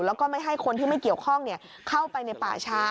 แล้วก็ไม่ให้คนที่ไม่เกี่ยวข้องเข้าไปในป่าช้า